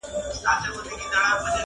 نه د خوشحال، نه د اکبر له توري وشرمېدل!.